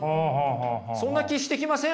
そんな気してきません？